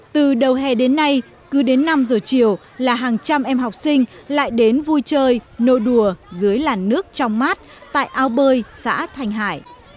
từ đầu hè đến nay cứ đến năm giờ chiều là hàng trăm em học sinh lại đến vui chơi nô đùa dưới làn nước trong mát tại ao bơi xã thành hải